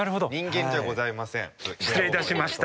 失礼いたしました。